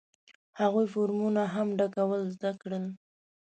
هغوی فورمونه هم ډکول زده کړل.